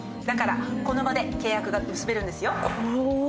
だからこの場で契約が結べるんですよ。